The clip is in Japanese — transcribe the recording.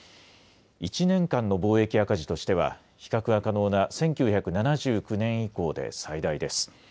１年間の貿易赤字としては比較が可能な１９７９年以降で最大です。